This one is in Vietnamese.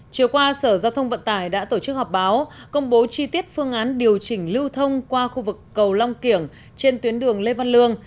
chiều qua sở giao thông vận tải đã tổ chức họp báo công bố chi tiết phương án điều chỉnh lưu thông qua khu vực cầu long kiểng trên tuyến đường lê văn lương